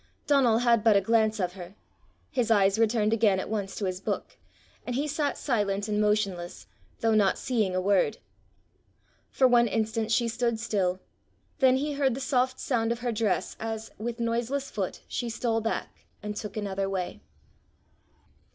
Donal had but a glance of her; his eyes returned again at once to his book, and he sat silent and motionless, though not seeing a word. For one instant she stood still; then he heard the soft sound of her dress as, with noiseless foot, she stole back, and took another way.